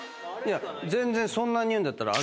全然そんなに言うんだったら。